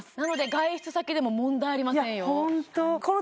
外出先でも問題ありませんよ